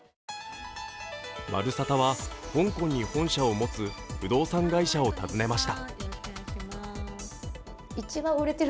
「まるサタ」は、香港に本社を持つ不動産会社を訪ねました。